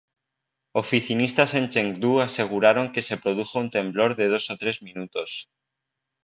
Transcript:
Oficinistas en Chengdu aseguraron que "se produjo un temblor de dos o tres minutos".